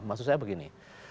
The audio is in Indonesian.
maksud saya begini